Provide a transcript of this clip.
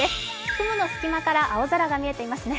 雲の隙間から青空が見えていますね。